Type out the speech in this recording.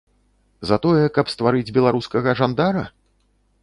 За тое, каб стварыць беларускага жандара?